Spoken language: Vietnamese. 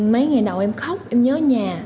mấy ngày đầu em khóc em nhớ nhà